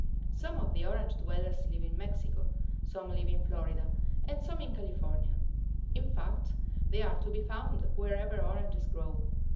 Some of the Orange dwellers live in Mexico; some live in Florida, and some in California; in fact they are to be found wherever oranges grow.